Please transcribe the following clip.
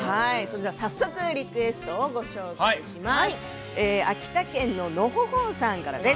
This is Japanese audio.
早速リクエストをご紹介します。